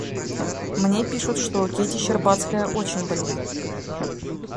Мне пишут, что Кити Щербацкая очень больна.